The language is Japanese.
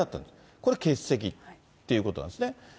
これ、欠席っていうことなんですね。